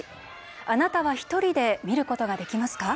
あなたは１人で見ることができますか？